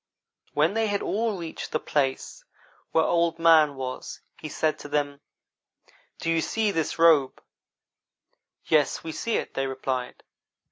When they had all reached the place where Old man was he said to them: "'Do you see this robe?' "'Yes, we see it,' they replied.